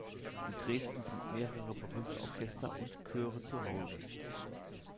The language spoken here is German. In Dresden sind mehrere berühmte Orchester und Chöre zu Hause.